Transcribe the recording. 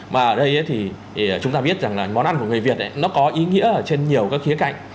mà ở đây thì chúng ta biết rằng là món ăn của người việt nó có ý nghĩa ở trên nhiều các khía cạnh